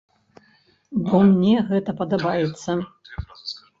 Бо мне гэта падабаецца.